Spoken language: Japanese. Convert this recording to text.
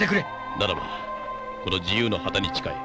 ならばこの自由の旗に誓え。